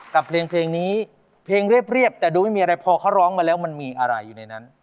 กับเพลงนี้เพลงเรียบแต่ดูไม่มีอะไรพอเขาร้องมาแล้วมันมีอะไรอยู่ในนั้น